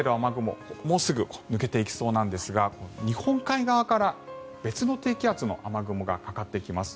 もうすぐ抜けていきそうなんですが日本海側から別の低気圧の雨雲がかかってきます。